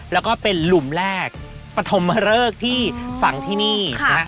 แล้วก็เป็นหลุมแรกปฐมเริกที่ฝั่งที่นี่